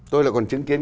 tôi là còn chứng kiến